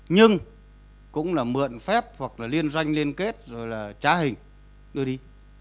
nhưng cũng là mượn phép hoặc là liên doanh liên kết rồi là trá hình đưa đi